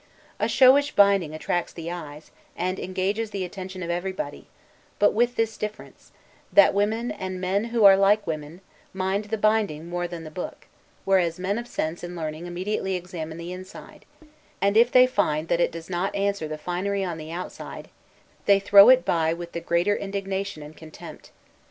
A showish binding attracts the eyes, and engages the attention of everybody; but with this difference, that women, and men who are like women, mind the binding more than the book; whereas men of sense and learning immediately examine the inside; and if they find that it does not answer the finery on the outside, they throw it by with the greater indignation and contempt.